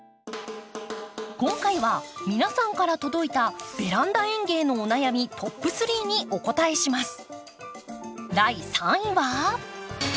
今回は皆さんから届いたベランダ園芸のお悩みトップ３にお答えします。